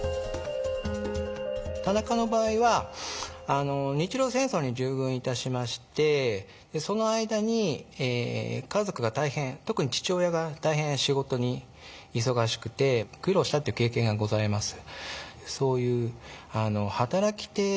田中の場合は日露戦争に従軍いたしましてその間に家族が大変特に父親が大変仕事に忙しくて苦労したっていう経験がございます。